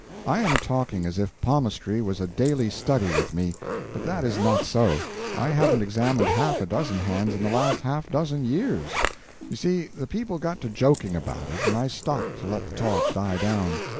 I am talking as if palmistry was a daily study with me, but that is not so. I haven't examined half a dozen hands in the last half dozen years; you see, the people got to joking about it, and I stopped to let the talk die down.